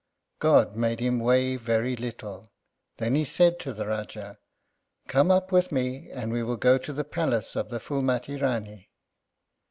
God made him weigh very little. Then he said to the Rájá, "Come up with me, and we will go to the palace of the Phúlmati Rání."